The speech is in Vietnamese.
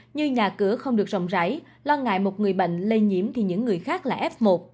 như nhà cửa không được rộng rãi lo ngại một người bệnh lây nhiễm thì những người khác là f một